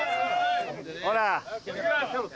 ・ほら！